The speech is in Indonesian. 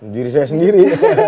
diri saya sendiri